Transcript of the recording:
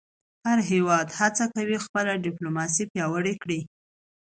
هر هېواد هڅه کوي خپله ډیپلوماسي پیاوړې کړی.